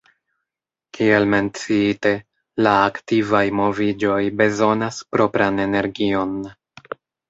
Kiel menciite, la aktivaj moviĝoj bezonas propran energion.